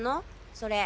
それ。